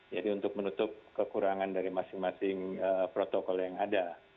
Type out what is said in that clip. jadi untuk menutup kekurangan dari masing masing protokol yang ada